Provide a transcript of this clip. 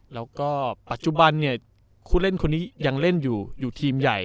แล้วก็ปัจจุบันเนี่ยผู้เล่นคนนี้ยังเล่นอยู่อยู่ทีมใหญ่